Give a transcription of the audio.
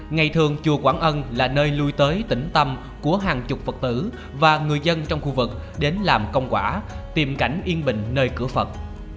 ngày thường chùa quảng ân là nơi lui tới tỉnh tâm của hàng chục phật tử và người dân trong khu vực đến làm công quả tìm cảnh yên bình nơi cửa phật